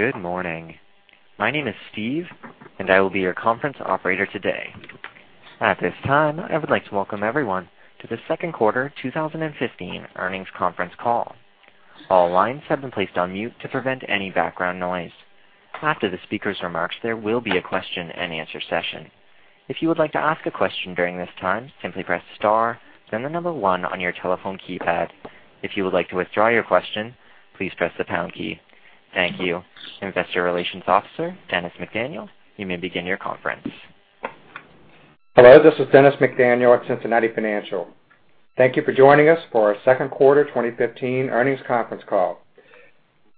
Good morning. My name is Steve, and I will be your conference operator today. At this time, I would like to welcome everyone to the second quarter 2015 earnings conference call. All lines have been placed on mute to prevent any background noise. After the speaker's remarks, there will be a question and answer session. If you would like to ask a question during this time, simply press star, then the number one on your telephone keypad. If you would like to withdraw your question, please press the pound key. Thank you. Investor Relations Officer, Dennis McDaniel, you may begin your conference. Hello, this is Dennis McDaniel at Cincinnati Financial. Thank you for joining us for our second quarter 2015 earnings conference call.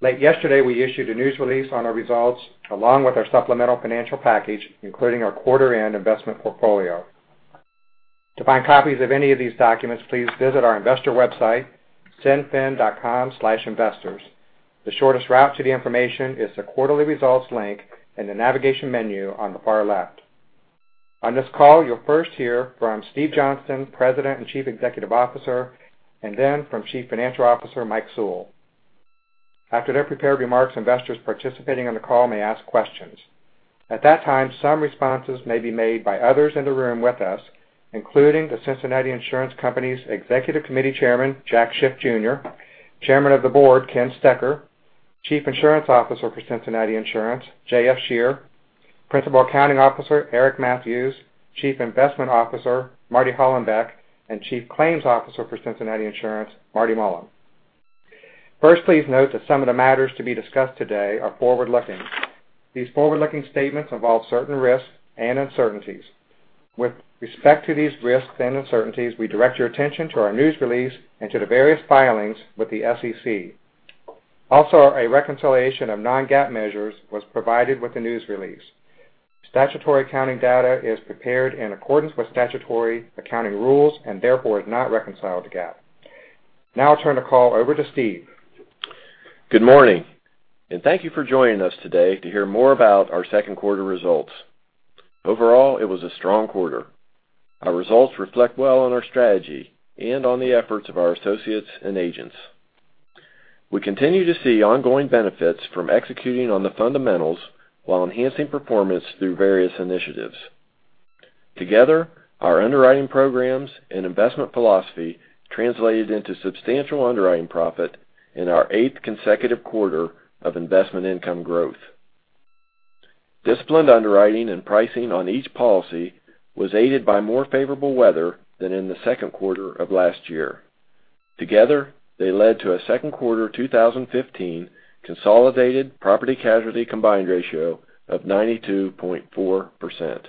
Late yesterday, we issued a news release on our results along with our supplemental financial package, including our quarter end investment portfolio. To find copies of any of these documents, please visit our investor website, cinfin.com/investors. The shortest route to the information is the quarterly results link in the navigation menu on the far left. On this call, you'll first hear from Steve Johnston, President and Chief Executive Officer, and then from Chief Financial Officer, Mike Sewell. After their prepared remarks, investors participating on the call may ask questions. At that time, some responses may be made by others in the room with us, including The Cincinnati Insurance Company's Executive Committee Chairman, Jack Schiff Jr., Chairman of the Board, Ken Stecher, Chief Insurance Officer for Cincinnati Insurance, J.F. Scherer, Principal Accounting Officer, Eric Mathews, Chief Investment Officer, Marty Hollenbeck, and Chief Claims Officer for Cincinnati Insurance, Marty Mullen. First, please note that some of the matters to be discussed today are forward-looking. These forward-looking statements involve certain risks and uncertainties. With respect to these risks and uncertainties, we direct your attention to our news release and to the various filings with the SEC. Also, a reconciliation of non-GAAP measures was provided with the news release. Statutory accounting data is prepared in accordance with statutory accounting rules and therefore is not reconciled to GAAP. Now I'll turn the call over to Steve. Good morning, and thank you for joining us today to hear more about our second quarter results. Overall, it was a strong quarter. Our results reflect well on our strategy and on the efforts of our associates and agents. We continue to see ongoing benefits from executing on the fundamentals while enhancing performance through various initiatives. Together, our underwriting programs and investment philosophy translated into substantial underwriting profit in our eighth consecutive quarter of investment income growth. Disciplined underwriting and pricing on each policy was aided by more favorable weather than in the second quarter of last year. Together, they led to a second quarter 2015 consolidated property casualty combined ratio of 92.4%.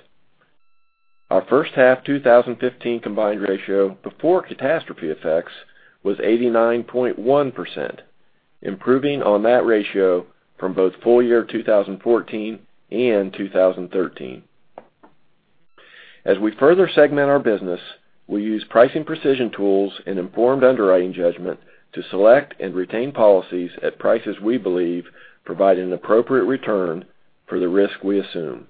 Our first half 2015 combined ratio before catastrophe effects was 89.1%, improving on that ratio from both full year 2014 and 2013. As we further segment our business, we use pricing precision tools and informed underwriting judgment to select and retain policies at prices we believe provide an appropriate return for the risk we assume.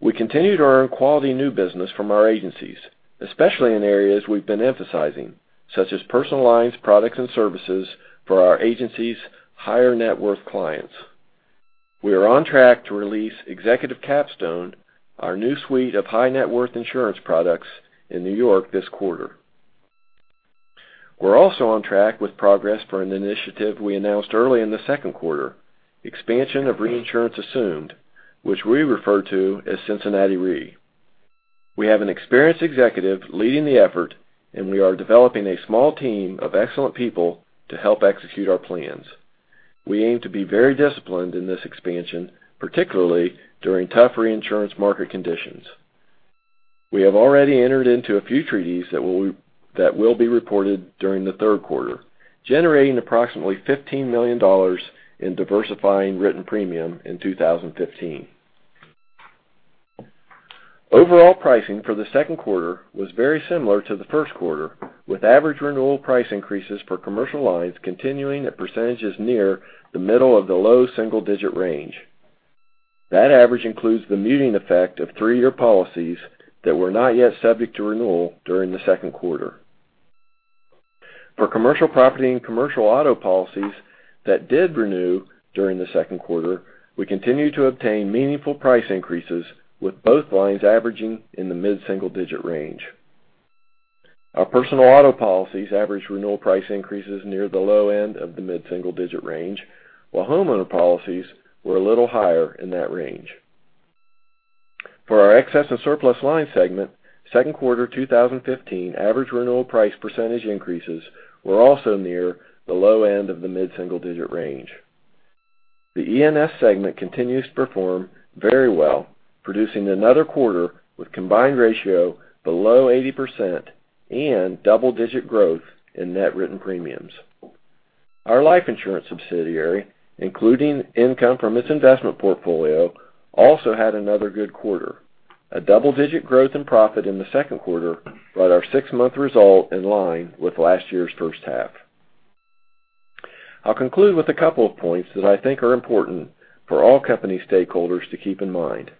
We continue to earn quality new business from our agencies, especially in areas we've been emphasizing, such as personal lines, products and services for our agencies' higher net worth clients. We are on track to release Executive Capstone, our new suite of high net worth insurance products, in New York this quarter. We're also on track with progress for an initiative we announced early in the second quarter, expansion of reinsurance assumed, which we refer to as Cincinnati Re. We have an experienced executive leading the effort, and we are developing a small team of excellent people to help execute our plans. We aim to be very disciplined in this expansion, particularly during tough reinsurance market conditions. We have already entered into a few treaties that will be reported during the third quarter, generating approximately $15 million in diversifying written premium in 2015. Overall pricing for the second quarter was very similar to the first quarter, with average renewal price increases for commercial lines continuing at percentages near the middle of the low double digit range. That average includes the muting effect of three-year policies that were not yet subject to renewal during the second quarter. For commercial property and commercial auto policies that did renew during the second quarter, we continued to obtain meaningful price increases with both lines averaging in the mid-single digit range. Our personal auto policies average renewal price increases near the low end of the mid-single digit range, while homeowner policies were a little higher in that range. For our Excess and Surplus line segment, second quarter 2015 average renewal price percentage increases were also near the low end of the mid-single digit range. The E&S segment continues to perform very well, producing another quarter with combined ratio below 80% and double-digit growth in net written premiums. Our life insurance subsidiary, including income from its investment portfolio, also had another good quarter. A double-digit growth in profit in the second quarter brought our six-month result in line with last year's first half. I'll conclude with a couple of points that I think are important for all company stakeholders to keep in mind.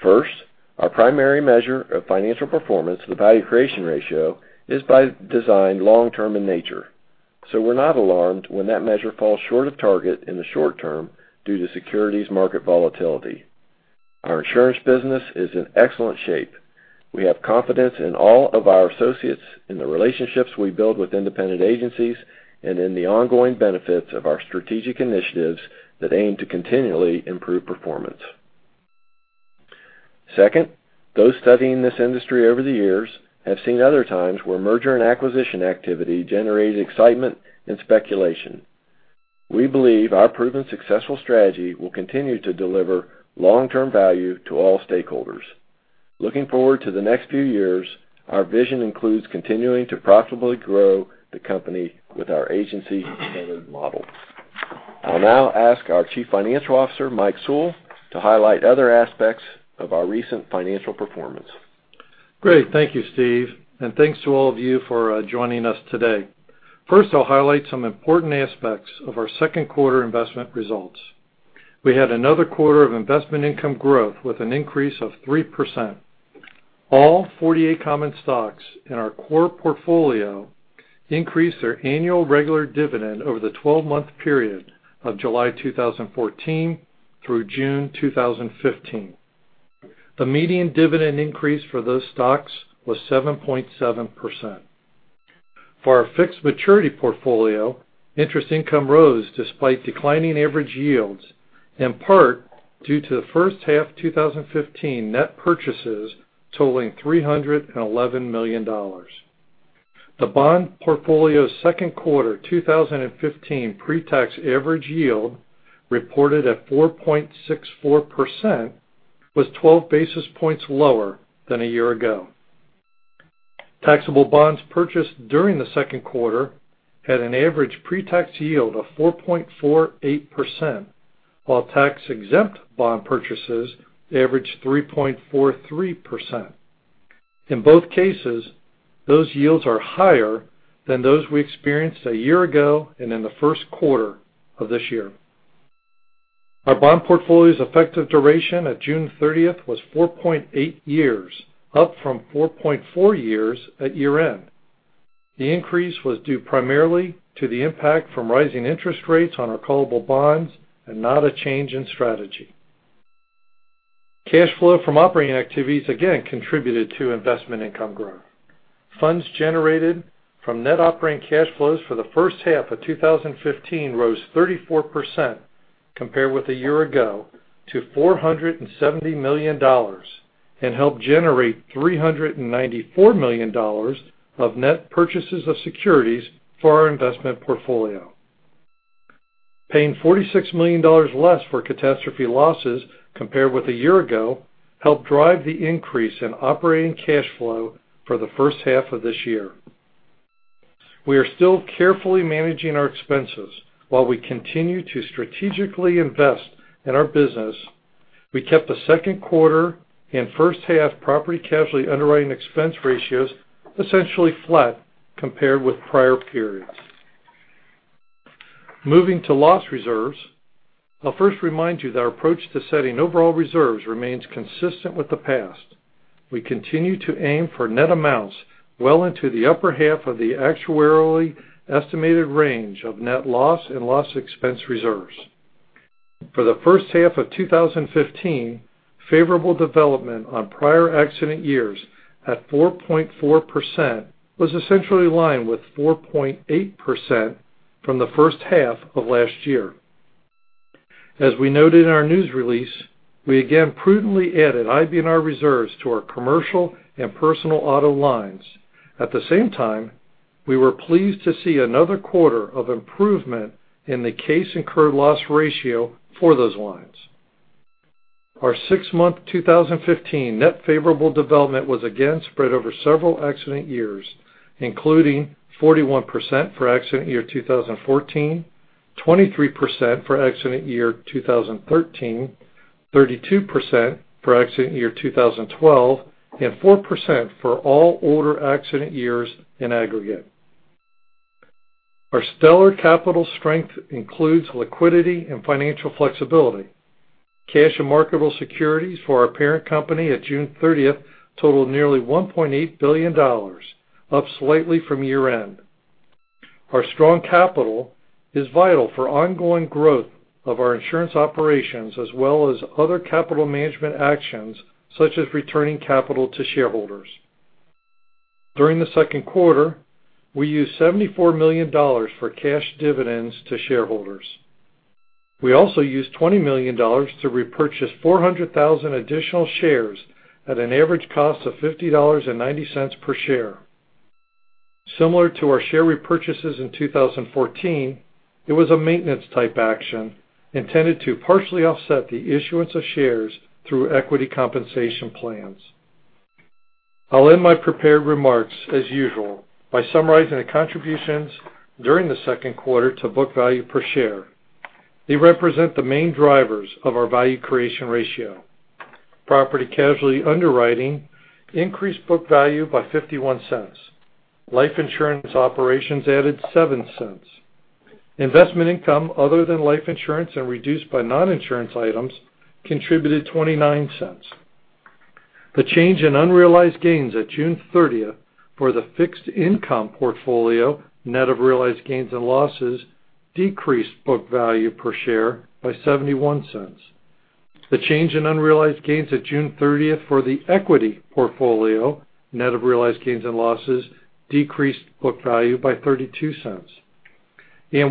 First, our primary measure of financial performance, the value creation ratio, is by design long-term in nature. We're not alarmed when that measure falls short of target in the short term due to securities market volatility. Our insurance business is in excellent shape. We have confidence in all of our associates, in the relationships we build with independent agencies, and in the ongoing benefits of our strategic initiatives that aim to continually improve performance. Second, those studying this industry over the years have seen other times where merger and acquisition activity generates excitement and speculation. We believe our proven successful strategy will continue to deliver long-term value to all stakeholders. Looking forward to the next few years, our vision includes continuing to profitably grow the company with our agency-centered model. I'll now ask our Chief Financial Officer, Mike Sewell, to highlight other aspects of our recent financial performance. Great. Thank you, Steve, and thanks to all of you for joining us today. First, I'll highlight some important aspects of our second quarter investment results. We had another quarter of investment income growth with an increase of 3%. All 48 common stocks in our core portfolio increased their annual regular dividend over the 12-month period of July 2014 through June 2015. The median dividend increase for those stocks was 7.7%. For our fixed maturity portfolio, interest income rose despite declining average yields, in part due to the first half 2015 net purchases totaling $311 million. The bond portfolio's second quarter 2015 pretax average yield, reported at 4.64%, was 12 basis points lower than a year ago. Taxable bonds purchased during the second quarter had an average pretax yield of 4.48%, while tax-exempt bond purchases averaged 3.43%. In both cases, those yields are higher than those we experienced a year ago and in the first quarter of this year. Our bond portfolio's effective duration at June 30th was 4.8 years, up from 4.4 years at year-end. The increase was due primarily to the impact from rising interest rates on our callable bonds and not a change in strategy. Cash flow from operating activities again contributed to investment income growth. Funds generated from net operating cash flows for the first half of 2015 rose 34% compared with a year ago to $470 million and helped generate $394 million of net purchases of securities for our investment portfolio. Paying $46 million less for catastrophe losses compared with a year ago helped drive the increase in operating cash flow for the first half of this year. We are still carefully managing our expenses while we continue to strategically invest in our business. We kept the second quarter and first half property casualty underwriting expense ratios essentially flat compared with prior periods. Moving to loss reserves, I'll first remind you that our approach to setting overall reserves remains consistent with the past. We continue to aim for net amounts well into the upper half of the actuarially estimated range of net loss and loss expense reserves. For the first half of 2015, favorable development on prior accident years at 4.4% was essentially in line with 4.8% from the first half of last year. As we noted in our news release, we again prudently added IBNR reserves to our commercial and personal auto lines. At the same time, we were pleased to see another quarter of improvement in the case incurred loss ratio for those lines. Our six-month 2015 net favorable development was again spread over several accident years, including 41% for accident year 2014, 23% for accident year 2013, 32% for accident year 2012, and 4% for all older accident years in aggregate. Our stellar capital strength includes liquidity and financial flexibility. Cash and marketable securities for our parent company at June 30th totaled nearly $1.8 billion, up slightly from year-end. Our strong capital is vital for ongoing growth of our insurance operations, as well as other capital management actions, such as returning capital to shareholders. During the second quarter, we used $74 million for cash dividends to shareholders. We also used $20 million to repurchase 400,000 additional shares at an average cost of $50.90 per share. Similar to our share repurchases in 2014, it was a maintenance type action intended to partially offset the issuance of shares through equity compensation plans. I'll end my prepared remarks as usual by summarizing the contributions during the second quarter to book value per share. They represent the main drivers of our value creation ratio. Property casualty underwriting increased book value by $0.51. Life insurance operations added $0.07. Investment income other than life insurance and reduced by non-insurance items contributed $0.29. The change in unrealized gains at June 30th for the fixed income portfolio, net of realized gains and losses, decreased book value per share by $0.71. The change in unrealized gains at June 30th for the equity portfolio, net of realized gains and losses, decreased book value by $0.32.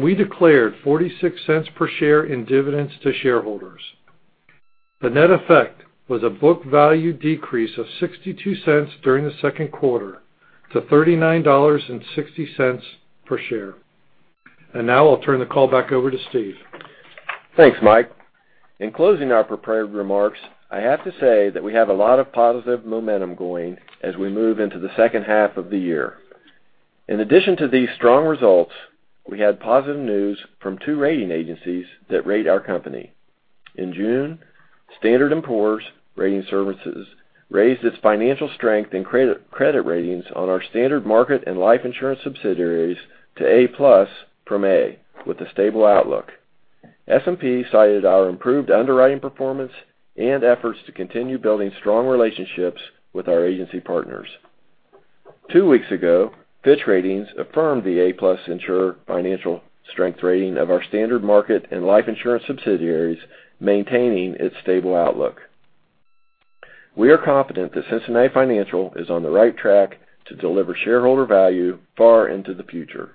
We declared $0.46 per share in dividends to shareholders. The net effect was a book value decrease of $0.62 during the second quarter to $39.60 per share. Now I'll turn the call back over to Steve. Thanks, Mike. In closing our prepared remarks, I have to say that we have a lot of positive momentum going as we move into the second half of the year. In addition to these strong results, we had positive news from two rating agencies that rate our company. In June, Standard & Poor's Ratings Services raised its financial strength and credit ratings on our standard market and life insurance subsidiaries to A+ from A with a stable outlook. S&P cited our improved underwriting performance and efforts to continue building strong relationships with our agency partners. Two weeks ago, Fitch Ratings affirmed the A+ insurer financial strength rating of our standard market and life insurance subsidiaries, maintaining its stable outlook. We are confident that Cincinnati Financial is on the right track to deliver shareholder value far into the future.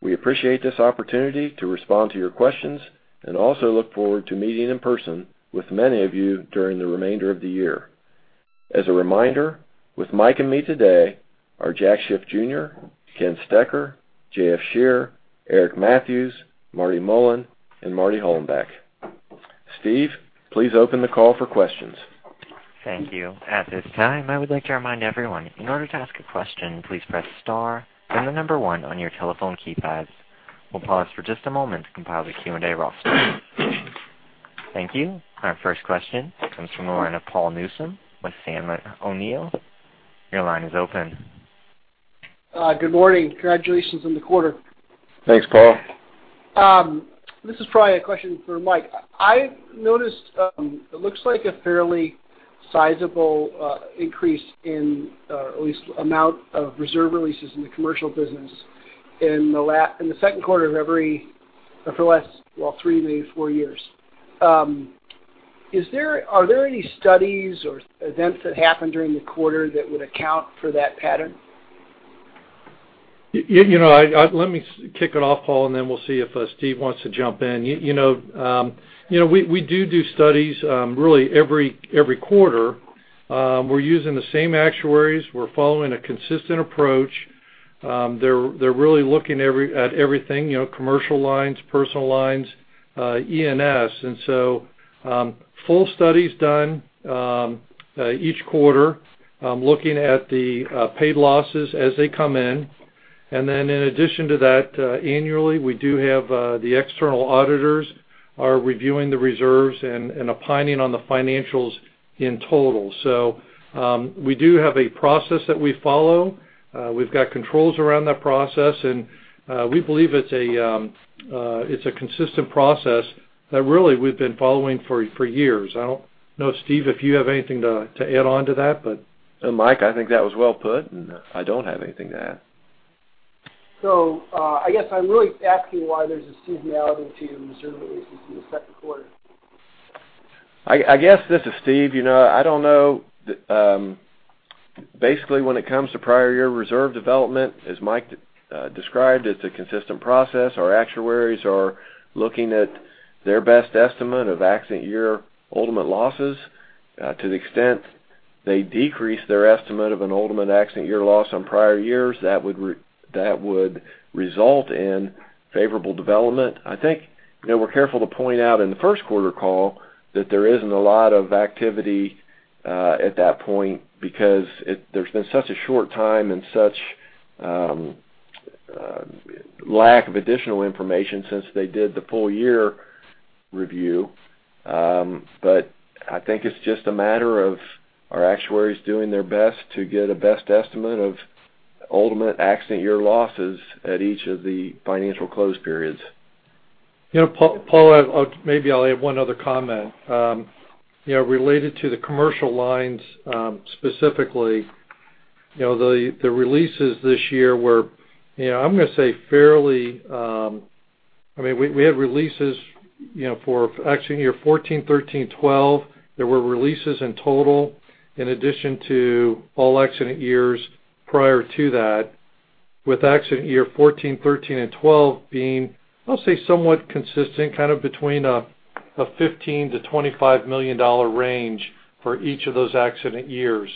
We appreciate this opportunity to respond to your questions and also look forward to meeting in person with many of you during the remainder of the year. As a reminder, with Mike and me today are Jack Schiff Jr., Ken Stecher, J.F. Scherer, Eric Mathews, Marty Mullen, and Marty Hollenbeck. Steve, please open the call for questions. Thank you. At this time, I would like to remind everyone, in order to ask a question, please press star then the number 1 on your telephone keypads. We'll pause for just a moment to compile the Q&A roster. Thank you. Our first question comes from the line of Paul Newsome with Sandler O'Neill. Your line is open. Good morning. Congratulations on the quarter. Thanks, Paul. This is probably a question for Mike. I noticed it looks like a fairly sizable increase in at least amount of reserve releases in the commercial business in the second quarter for the last, well, three, maybe four years. Are there any studies or events that happened during the quarter that would account for that pattern? Let me kick it off, Paul, and then we'll see if Steve wants to jump in. We do studies really every quarter. We're using the same actuaries. We're following a consistent approach. They're really looking at everything, commercial lines, personal lines, E&S. Full studies done each quarter looking at the paid losses as they come in, and then in addition to that, annually, we do have the external auditors are reviewing the reserves and opining on the financials in total. We do have a process that we follow. We've got controls around that process, and we believe it's a consistent process that really we've been following for years. I don't know, Steve, if you have anything to add on to that. Mike, I think that was well put. I don't have anything to add. I guess I'm really asking why there's a seasonality to reserve releases in the second quarter. I guess, this is Steve. I don't know. Basically, when it comes to prior year reserve development, as Mike described, it's a consistent process. Our actuaries are looking at their best estimate of accident year ultimate losses. To the extent they decrease their estimate of an ultimate accident year loss on prior years, that would result in favorable development. I think we're careful to point out in the first quarter call that there isn't a lot of activity at that point because there's been such a short time and such lack of additional information since they did the full year review. I think it's just a matter of our actuaries doing their best to get a best estimate of ultimate accident year losses at each of the financial close periods. Paul, maybe I'll have one other comment. Related to the commercial lines, specifically, the releases this year were. We had releases for accident year 2014, 2013, 2012. There were releases in total in addition to all accident years prior to that, with accident year 2014, 2013, and 2012 being, I'll say, somewhat consistent, kind of between a $15 million-$25 million range for each of those accident years.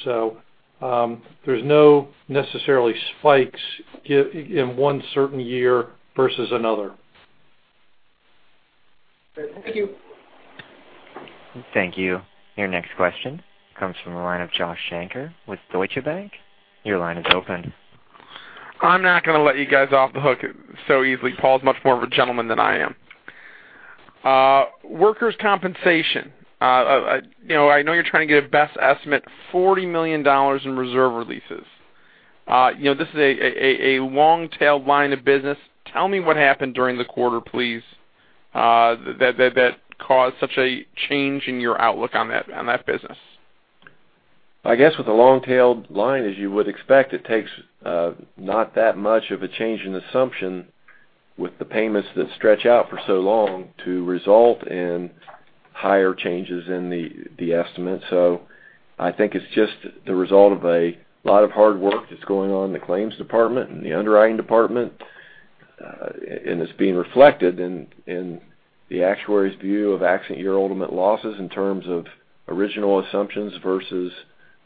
There's no necessarily spikes in one certain year versus another. Okay, thank you. Thank you. Your next question comes from the line of Joshua Shanker with Deutsche Bank. Your line is open. I'm not going to let you guys off the hook so easily. Paul's much more of a gentleman than I am Workers' compensation. I know you're trying to get a best estimate, $40 million in reserve releases. This is a long-tailed line of business. Tell me what happened during the quarter, please, that caused such a change in your outlook on that business. I guess with a long-tailed line, as you would expect, it takes not that much of a change in assumption with the payments that stretch out for so long to result in higher changes in the estimate. I think it's just the result of a lot of hard work that's going on in the claims department and the underwriting department, and it's being reflected in the actuary's view of accident year ultimate losses in terms of original assumptions versus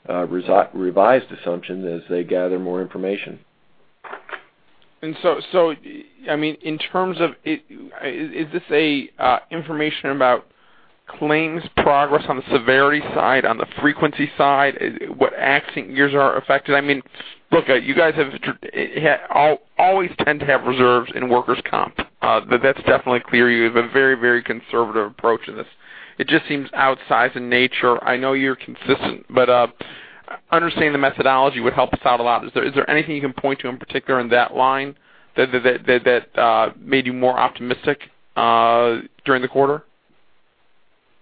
revised assumptions as they gather more information. In terms of it, is this information about claims progress on the severity side, on the frequency side, what accident years are affected? Look, you guys always tend to have reserves in workers' comp. That's definitely clear. You have a very conservative approach to this. It just seems outsize in nature. I know you're consistent, but understanding the methodology would help us out a lot. Is there anything you can point to in particular in that line that made you more optimistic during the quarter?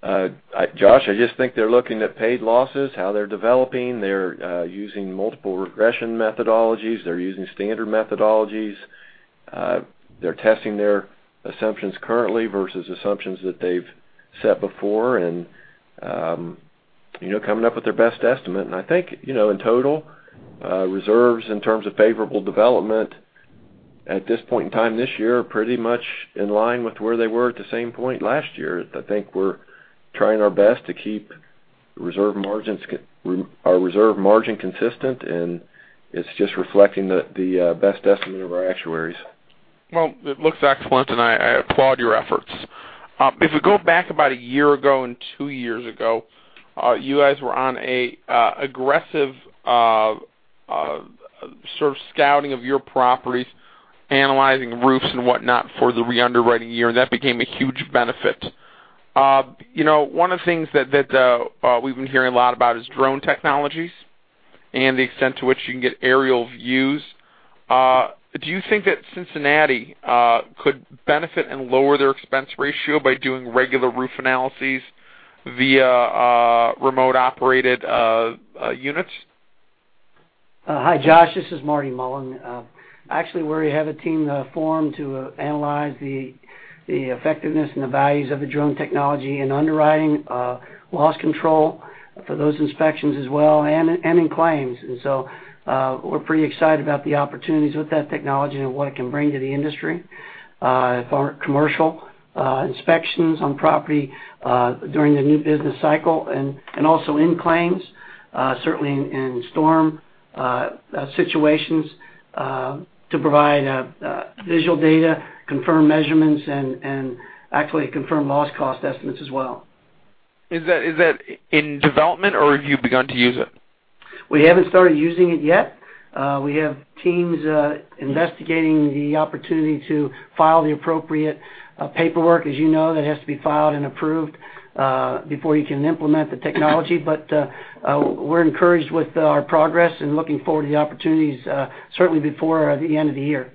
Josh, I just think they're looking at paid losses, how they're developing. They're using multiple regression methodologies. They're using standard methodologies. They're testing their assumptions currently versus assumptions that they've set before and coming up with their best estimate. I think, in total, reserves in terms of favorable development at this point in time this year are pretty much in line with where they were at the same point last year. I think we're trying our best to keep our reserve margin consistent, and it's just reflecting the best estimate of our actuaries. Well, it looks excellent, and I applaud your efforts. If we go back about a year ago and two years ago, you guys were on an aggressive sort of scouting of your properties, analyzing roofs and whatnot for the re-underwriting year, and that became a huge benefit. One of the things that we've been hearing a lot about is drone technologies and the extent to which you can get aerial views. Do you think that Cincinnati could benefit and lower their expense ratio by doing regular roof analyses via remote operated units? Hi, Josh, this is Marty Mullen. Actually, we already have a team formed to analyze the effectiveness and the values of the drone technology in underwriting, loss control for those inspections as well, and in claims. We're pretty excited about the opportunities with that technology and what it can bring to the industry for commercial inspections on property during the new business cycle and also in claims certainly in storm situations to provide visual data, confirm measurements, and actually confirm loss cost estimates as well. Is that in development, or have you begun to use it? We haven't started using it yet. We have teams investigating the opportunity to file the appropriate paperwork. As you know, that has to be filed and approved before you can implement the technology. We're encouraged with our progress and looking forward to the opportunities, certainly before the end of the year.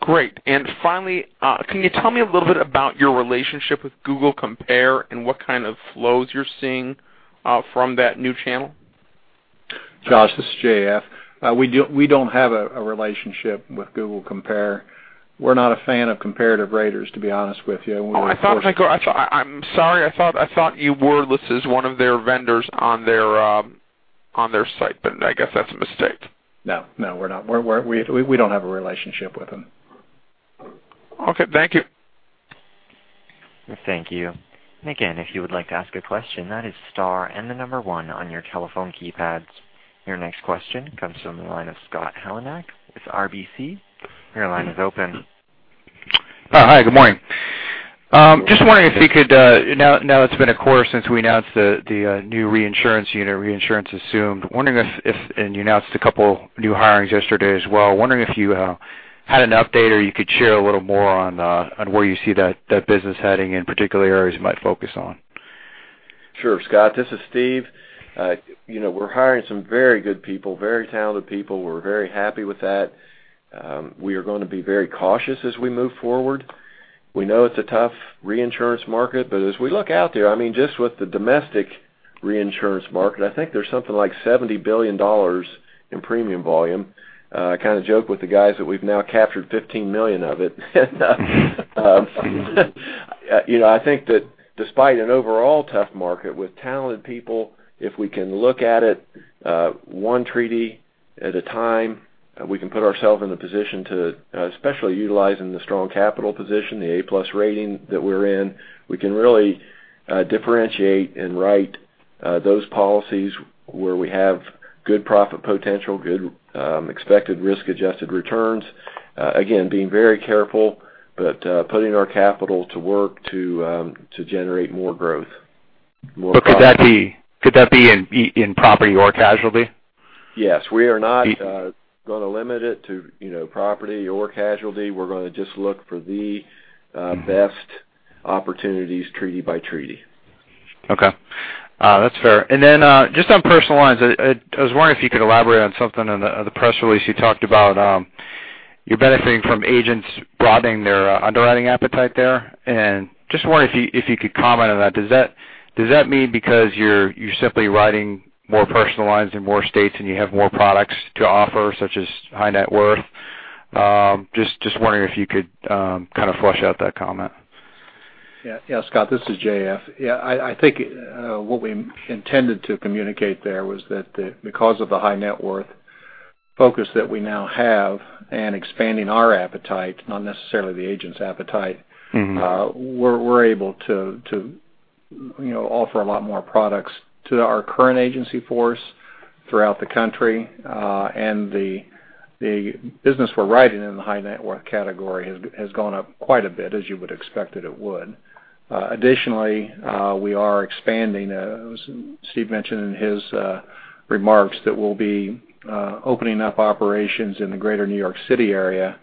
Great. Finally, can you tell me a little bit about your relationship with Google Compare and what kind of flows you're seeing from that new channel? Josh, this is J.F. We don't have a relationship with Google Compare. We're not a fan of comparative raters, to be honest with you. I'm sorry. I thought you were listed as one of their vendors on their site, but I guess that's a mistake. No. We're not. We don't have a relationship with them. Okay. Thank you. Thank you. Again, if you would like to ask a question, that is star and the number one on your telephone keypads. Your next question comes from the line of Scott Heleniak with RBC. Your line is open. Hi. Good morning. Just wondering if you could, now it has been a quarter since we announced the new reinsurance unit, reinsurance assumed, and you announced a couple new hirings yesterday as well. Wondering if you had an update, or you could share a little more on where you see that business heading and particular areas you might focus on. Sure, Scott. This is Steve. We are hiring some very good people, very talented people. We are very happy with that. We are going to be very cautious as we move forward. We know it is a tough reinsurance market. As we look out there, just with the domestic reinsurance market, I think there is something like $70 billion in premium volume. I kind of joke with the guys that we have now captured $15 million of it. I think that despite an overall tough market with talented people, if we can look at it one treaty at a time, we can put ourselves in the position to especially utilizing the strong capital position, the A+ rating that we are in, we can really differentiate and write those policies where we have good profit potential, good expected risk-adjusted returns. Again, being very careful, putting our capital to work to generate more growth. Could that be in property or casualty? Yes. We are not going to limit it to property or casualty. We are going to just look for the best opportunities treaty by treaty. That's fair. Then just on personal lines, I was wondering if you could elaborate on something on the press release you talked about, you're benefiting from agents broadening their underwriting appetite there. Just wondering if you could comment on that. Does that mean because you're simply writing more personal lines in more states and you have more products to offer, such as high net worth? Just wondering if you could kind of flush out that comment. Scott, this is J.F. I think what we intended to communicate there was that because of the high net worth focus that we now have and expanding our appetite, not necessarily the agent's appetite. We're able to offer a lot more products to our current agency force throughout the country. The business we're writing in the high net worth category has gone up quite a bit, as you would expect it would. Additionally, we are expanding, as Steve mentioned in his remarks, that we'll be opening up operations in the greater New York City area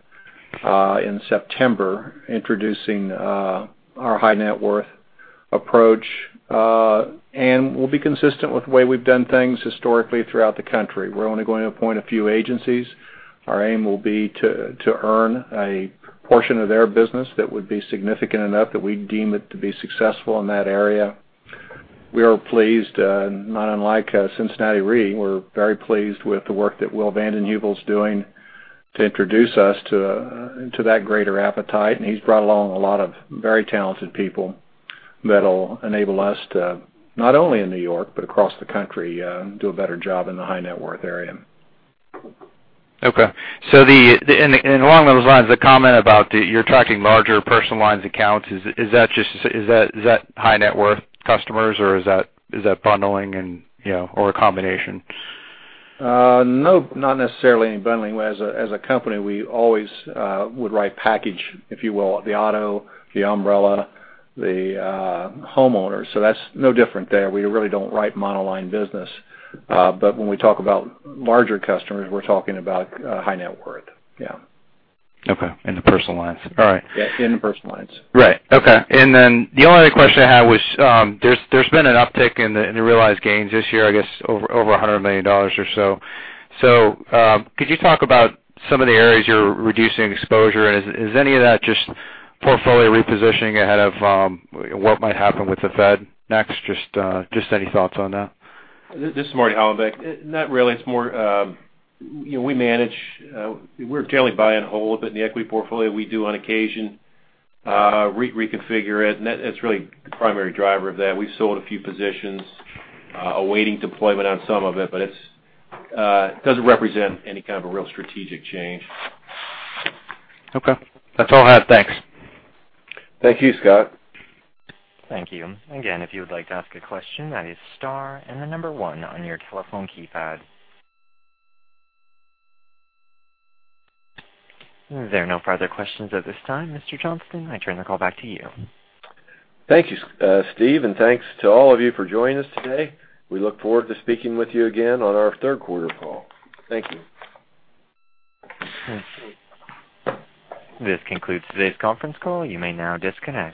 in September, introducing our high net worth approach. We'll be consistent with the way we've done things historically throughout the country. We're only going to appoint a few agencies. Our aim will be to earn a portion of their business that would be significant enough that we deem it to be successful in that area. We are pleased, not unlike Cincinnati Re, we're very pleased with the work that Will Van Den Heuvel is doing to introduce us to that greater appetite, and he's brought along a lot of very talented people that'll enable us to, not only in New York, but across the country, do a better job in the high net worth area. Okay. Along those lines, the comment about that you're attracting larger personal lines accounts, is that high net worth customers or is that bundling or a combination? No, not necessarily any bundling. As a company, we always would write package, if you will, the auto, the umbrella, the homeowner. That's no different there. We really don't write monoline business. When we talk about larger customers, we're talking about high net worth. Yeah. Okay. In the personal lines. All right. Yeah, in the personal lines. Right. Okay. The only other question I had was, there's been an uptick in the realized gains this year, I guess over $100 million or so. Could you talk about some of the areas you're reducing exposure? Is any of that just portfolio repositioning ahead of what might happen with the Fed next? Just any thoughts on that. This is Marty Hollenbeck. Not really. It's more, we manage, we're generally buy and hold, in the equity portfolio, we do on occasion reconfigure it, that's really the primary driver of that. We've sold a few positions, awaiting deployment on some of it doesn't represent any kind of a real strategic change. Okay. That's all I have. Thanks. Thank you, Scott. Thank you. Again, if you would like to ask a question, that is star and the number one on your telephone keypad. If there are no further questions at this time, Mr. Johnston, I turn the call back to you. Thank you, Steve, and thanks to all of you for joining us today. We look forward to speaking with you again on our third quarter call. Thank you. This concludes today's conference call. You may now disconnect.